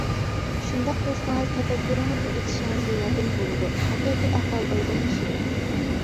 شۇنداق قىلسىڭىز تەپەككۇرىڭىزنى ئېچىشىڭىزغا ياردىمى بولىدۇ، ھەقىقىي ئەھۋال ئايدىڭلىشىدۇ.